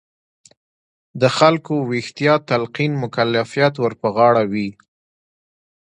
د خلکو ویښتیا تلقین مکلفیت ور په غاړه وي.